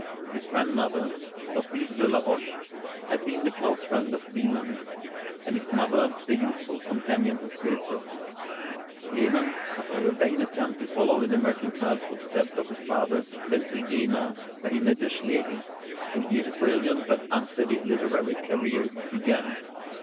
His grandmother, Sophie de la Roche, had been the close friend of Wieland, and his mother the youthful companion of Goethe. Clemens, after a vain attempt to follow in the mercantile footsteps of his father, went to Jena, where he met the Schlegels; and here his brilliant but unsteady literary career began.